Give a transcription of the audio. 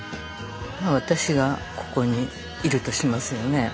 私がここにいるとしますよね。